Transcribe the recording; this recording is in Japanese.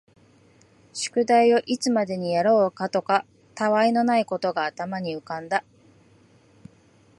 宿題をいつまでにやろうかとか、他愛のないことが頭に浮んだ